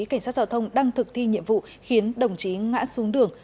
cảnh sát giao thông đang thực thi nhiệm vụ khiến đồng chí ngã xuống đường